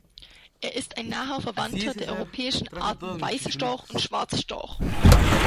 Er ist ein naher Verwandter der europäischen Arten Weißstorch und Schwarzstorch.